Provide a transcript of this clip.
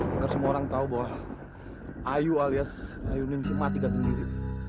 agar semua orang tahu bahwa ayu alias ayu ning si mati gak terniru